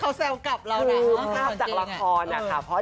เขาแซวกับเรานะภาพที่หวังเกง